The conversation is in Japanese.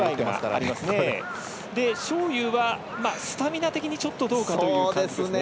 章勇は、スタミナ的にちょっとどうかという感じですね。